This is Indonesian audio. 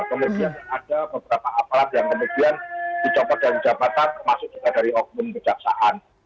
kemudian ada beberapa aparat yang kemudian dicopot dari jabatan termasuk juga dari oknum kejaksaan